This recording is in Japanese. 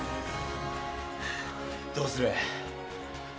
どうする？